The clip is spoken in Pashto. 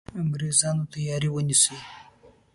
انګرېزانو تیاری ونیسي.